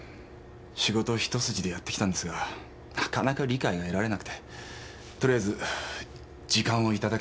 仕事一筋でやってきたんですがなかなか理解が得られなくてとりあえず時間をいただけないかと思って。